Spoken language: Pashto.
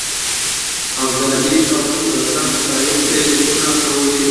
ابدالي او صدراعظم کلایف ته لیکونه استولي.